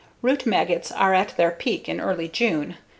Root maggots are at their peak in early June.